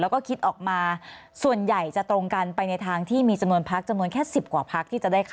แล้วก็คิดออกมาส่วนใหญ่จะตรงกันไปในทางที่มีจำนวนพัค